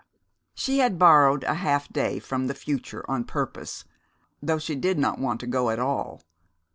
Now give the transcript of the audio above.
She had borrowed a half day from the future on purpose, though she did not want to go at all.